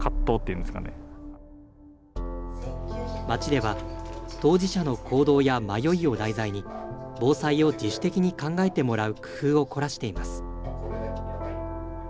町では、当事者の行動や迷いを題材に、防災を自主的に考えてもらう工夫を凝らしています。